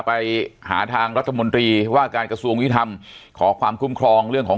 ไปหาทางรัฐมนตรีว่าการกระทรวงยุทธรรมขอความคุ้มครองเรื่องของ